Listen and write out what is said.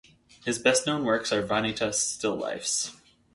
His best known works are vanitas still lifes.